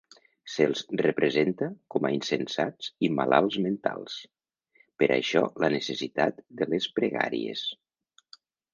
Se'ls representa com a insensats i malalts mentals, per això la necessitat de les pregàries.